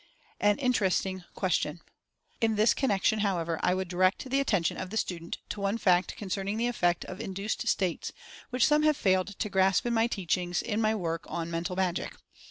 AN INTERESTING QUESTION. In this connection, however, I would direct the at tention of the student to one fact concerning the ef fect of induced states, which some have failed to grasp in my teachings in my work on Mental Magic.